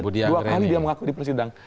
dia dua kali mengaku di persidang